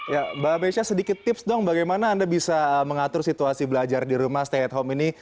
ya mbak amesha sedikit tips dong bagaimana anda bisa mengatur situasi belajar di rumah stay at home ini